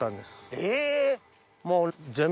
え！